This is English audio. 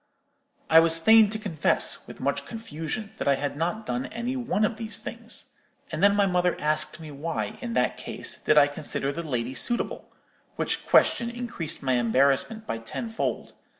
"I was fain to confess, with much confusion, that I had not done any one of these things. And then my mother asked me why, in that case, did I consider the lady suitable,—which question increased my embarrassment by tenfold.